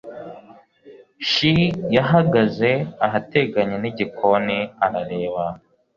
SHE yahagaze ahateganye nigikoni arareba